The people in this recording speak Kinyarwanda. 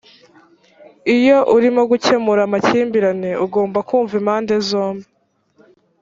iyo urimo gukemura amakimbirane ugomba kumva impande zombi